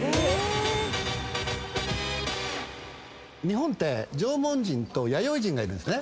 日本って縄文人と弥生人がいるんですね。